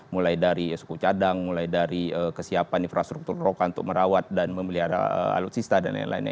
mulai dari suku cadang mulai dari kesiapan infrastruktur roka untuk merawat dan memelihara alutsista dan lain lainnya